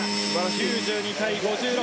９２対５６。